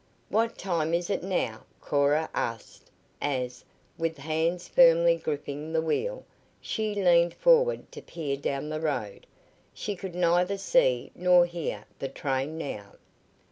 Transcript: "What time is it now?" Cora asked as, with hands firmly gripping the wheel, she leaned forward to peer down the road. She could neither see nor hear the train now.